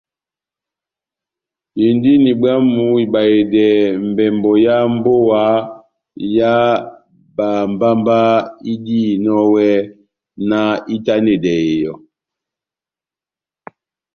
Indini bwámu ibahedɛ mbɛmbɔ yá mbówa yá bámbámbá idihinɔni iwɛ na itandedɛ yɔ́.